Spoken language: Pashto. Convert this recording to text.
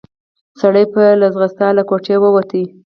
سړی په منډه له کوټې ووت.